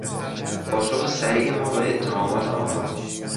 پاسخ سریع ما به اتهامات آنها